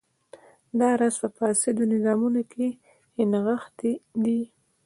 دا راز په فاسدو نظامونو کې نغښتی دی.